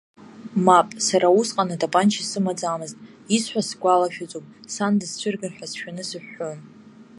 Мап, сара усҟан атапанча сымаӡамызт, исҳәоз сгәалашәаӡом, сан дысцәыргар ҳәа сшәаны сыҳәҳәон.